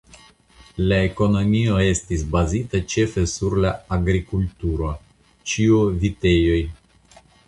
La ekonomio estis bazata ĉefe sur la agrikulturo (ĉio vitejoj).